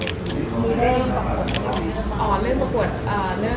เรื่องประควดเลยเนี่ย